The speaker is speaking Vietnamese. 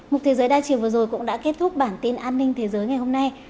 một thế giới đa chiều vừa rồi cũng đã kết thúc bản tin an ninh thế giới ngày hôm nay